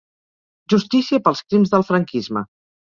Justícia pels crims del franquisme